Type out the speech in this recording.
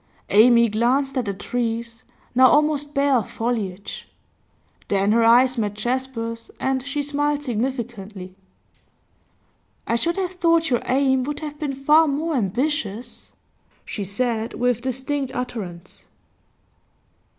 Amy glanced at the trees, now almost bare of foliage; then her eyes met Jasper's, and she smiled significantly. 'I should have thought your aim would have been far more ambitious,' she said, with distinct utterance.